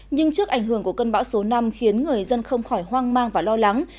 nhưng trước ảnh hưởng của cơn bão số năm khiến người dân không khỏi hoang mang và lo lắng